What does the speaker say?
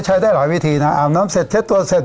ใช้ได้หลายวิธีนะอาบน้ำเสร็จเช็ดตัวเสร็จ